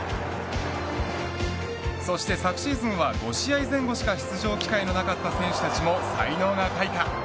そして昨シーズンは５試合前後しか出場機会のなかった選手たちも才能が開花。